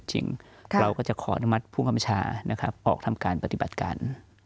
เราก็จะขออนุมัติผู้คำชาออกทำการปฏิบัติการ